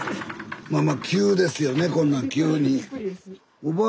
まあまあ急ですよねこんな急に。